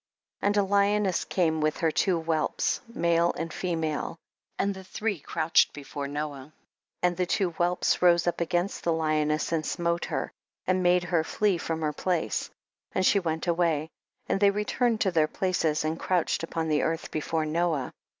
5. And a lioness came, with her two whelps, male and female, and the three crouched before Noah, and the two whelps rose up against the lioness and smote her, and made her flee from her place, and she went away, and they returned to their pla ces, and crouched upon the earth before Noah.